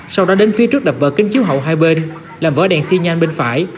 sau đó đến phía trước đập vỡ kính chiếu hậu hai bên làm vỡ đèn xi nhan bên phải